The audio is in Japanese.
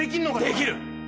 できる！